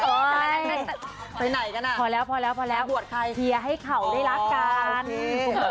ไปไหนกันอ่ะพอแล้วพอแล้วพอแล้วอวดใครเคลียร์ให้เขาได้รักกัน